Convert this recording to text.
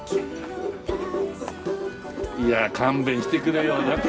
いや勘弁してくれよなんて。